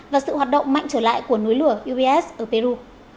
và sự hoạt động mạnh trở lại của núi lửa ubs ở peru